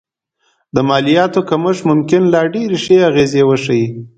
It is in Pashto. د مالیاتو کمښت ممکن لا ډېرې ښې اغېزې وښيي